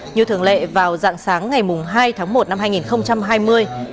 như thường lệ vào dạng sáng ngày hai tháng một năm hai nghìn hai mươi